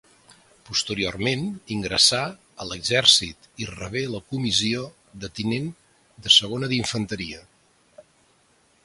Posteriorment ingressà a l'Exèrcit i rebé la comissió de tinent de segona d'infanteria.